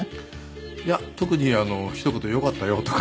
いや特にひと言「よかったよ」とか。